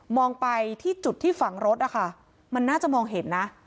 ไปที่จุดที่ฝังรถนะคะมันน่าจะมองเห็นนะ